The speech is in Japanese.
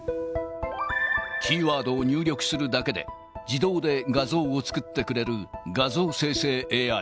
キーワードを入力するだけで、自動で画像を作ってくれる画像生成ＡＩ。